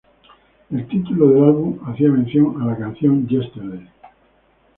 El título del álbum hacía mención a la canción "Yesterday".